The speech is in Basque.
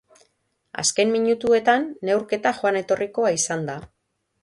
Azken minutuetan, neurketa joan-etorrikoa izan da.